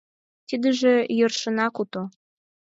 Тидыже йӧршынак уто.